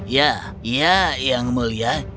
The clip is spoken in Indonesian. ya ya yang mulia